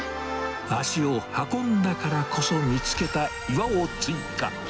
足を運んだからこそ、見つけた岩を追加。